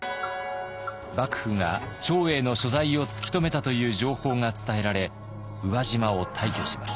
幕府が長英の所在を突き止めたという情報が伝えられ宇和島を退去します。